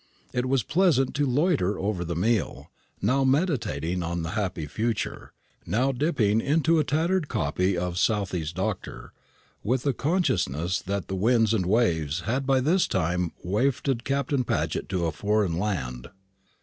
It was pleasant to loiter over the meal, now meditating on the happy future, now dipping into a tattered copy of Southey's "Doctor;" with the consciousness that the winds and waves had by this time wafted Captain Paget to a foreign land.